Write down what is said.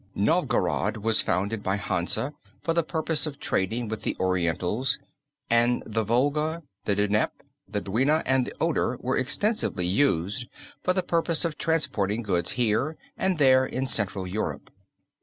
Novgorod was founded by Hansa for the purpose of trading with the Orientals, and the Volga, the Dnieper, the Dwina, and the Oder were extensively used for the purpose of transporting goods here and there in central Europe.